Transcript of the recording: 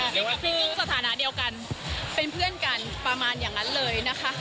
คือสถานะเดียวกันเป็นเพื่อนกันประมาณอย่างนั้นเลยนะคะ